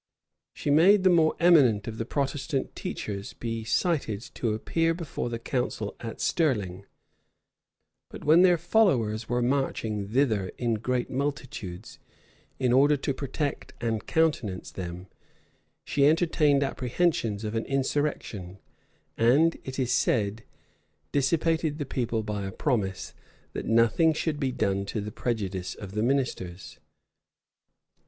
[*] She made the more eminent of the Protestant teachers be cited to appear before the council at Stirling; but when their followers were marching thither in great multitudes, in order to protect and countenance them, she entertained apprehensions of an insurrection, and, it is said, dissipated the people by a promise[] that nothing should be done to the prejudice of the ministers.